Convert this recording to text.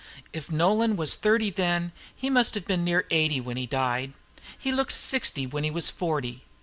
If Nolan was thirty then, he must have been near eighty when he died. He looked sixty when he was forty.